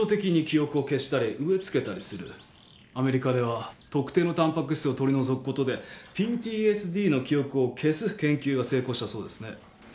アメリカでは特定のタンパク質を取り除くことでＰＴＳＤの記憶を消す研究が成功したそうですね。